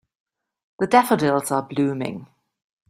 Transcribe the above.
The daffodils are blooming.